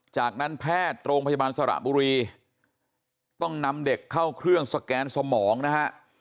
จากนั้นแพทย์โรงพยาบาลสระบุรีต้องนำเด็กเข้าเครื่องสแกนสมองนะฮะ